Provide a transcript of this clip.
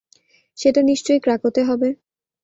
সেটা নিশ্চয় ক্রাকোতে হবে।